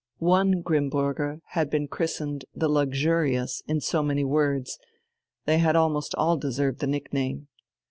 One Grimmburger had been christened "the luxurious" in so many words, they had almost all deserved the nickname.